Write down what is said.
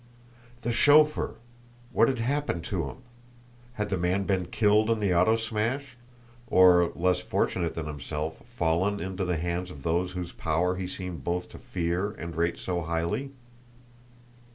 The chauffeur! What had happened to him? Had the man been killed in the auto smash; or, less fortunate than himself, fallen into the hands of those whose power he seemed both to fear and rate so highly?